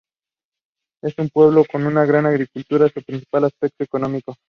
Es un pueblo con una gran agricultura, su principal aspecto económico.